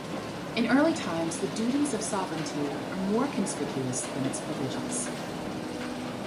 In early times the duties of sovereignty are more conspicuous than its privileges.